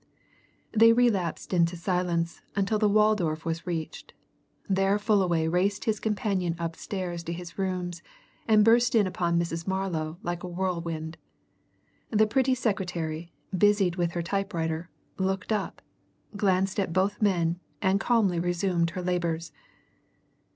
Then they relapsed into silence until the Waldorf was reached. There Fullaway raced his companion upstairs to his rooms and burst in upon Mrs. Marlow like a whirlwind. The pretty secretary, busied with her typewriter, looked up, glanced at both men, and calmly resumed her labours.